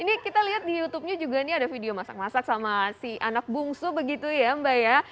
ini kita lihat di youtubenya juga nih ada video masak masak sama si anak bungsu begitu ya mbak ya